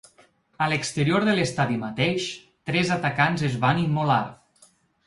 A l’exterior de l’estadi mateix, tres atacants es van immolar.